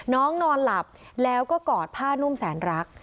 นอนหลับแล้วก็กอดผ้านุ่มแสนรัก